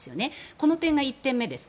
この点が１点目です。